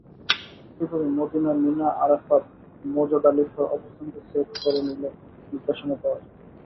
একইভাবে Medina, Mina, Arafat, মুজদালিফার অবস্থানকে সেভ করে নিলে নির্দেশনা পাওয়া যাবে।